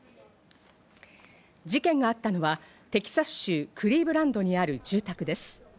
事件があったのは、テキサス州クリーブランドにある住宅です。